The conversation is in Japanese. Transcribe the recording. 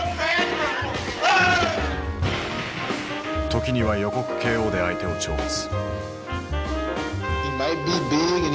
時には予告ＫＯで相手を挑発。